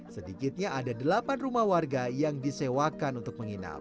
sedikitnya ada delapan rumah warga yang disewakan untuk menginap